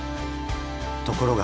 ところが。